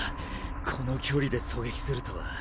この距離で狙撃するとは。